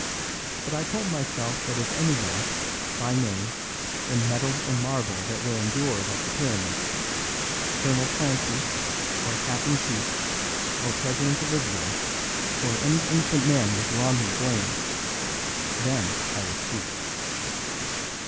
But I told myself that if anywhere, by name, in metal or marble that will endure like the pyramids, Colonel Clancy, or Captain Keith, or President Olivier, or any innocent man was wrongly blamed, then I would speak.